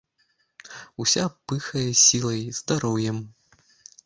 Уся пыхае сілай, здароўем.